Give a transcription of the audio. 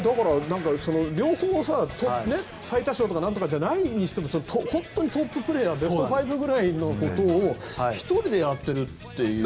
両方、最多勝とかなんとかじゃないにしても本当にトッププレーヤーベスト５ぐらいのことを１人でやっているという。